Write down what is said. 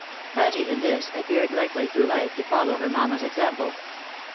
Patty, in this, appeared likely through life to follow her mamma's ex ample.